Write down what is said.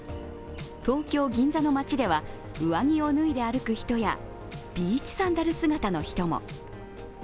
東京・銀座の街では上着を脱いで歩く人やビーチサンダル姿の人も。